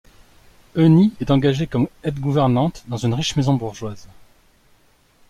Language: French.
Euny est engagée comme aide-gouvernante dans une riche maison bourgeoise.